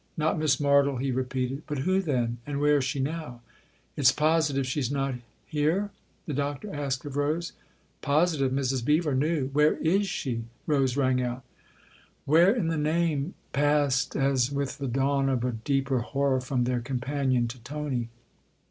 " Not Miss Martle," he repeated. " But who then ? And where is she now ?"" It's positive she's not here ?" the Doctor asked of Rose. " Positive Mrs. Beever knew. Where is she ?" Rose rang out. " Where in the name ?" passed, as with the dawn of a deeper horror, from their companion to Tony.